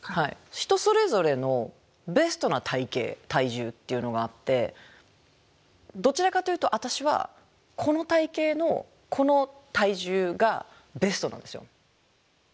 人それぞれのベストな体型体重っていうのがあってどちらかというと私はこの体型のこの体重がベストなんですよ。